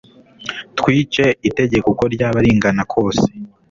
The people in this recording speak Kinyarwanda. twice itegeko uko ryaba ringana kose